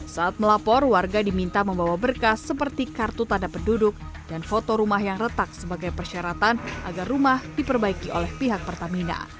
saat melapor warga diminta membawa berkas seperti kartu tanda penduduk dan foto rumah yang retak sebagai persyaratan agar rumah diperbaiki oleh pihak pertamina